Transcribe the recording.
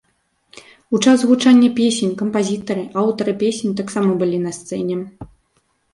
У час гучання песень, кампазітары, аўтары песень таксама былі на сцэне.